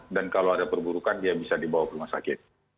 dan kalau ada perburukan dia bisa dibawa ke rumah sakit